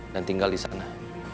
dan tinggal disana